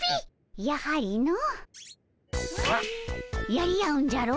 やり合うんじゃろ？